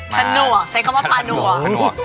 ผนวกใช้คำว่าผนวก